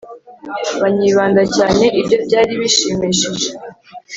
banyibanda cyane, ibyo byari bishimishije